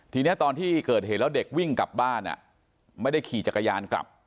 ทีนี้ตอนที่เกิดเหตุแล้วเด็กวิ่งกลับบ้านไม่ได้ขี่จักรยานกลับ